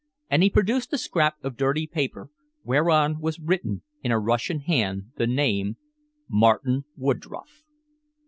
And he produced a scrap of dirty paper whereon was written in a Russian hand the name "Martin Woodroffe."